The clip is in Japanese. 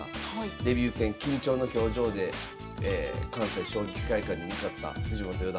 デビュー戦緊張の表情で関西将棋会館に向かった藤本四段。